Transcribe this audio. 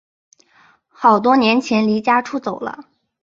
好多年前离家出走了